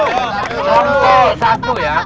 kelompok satu ya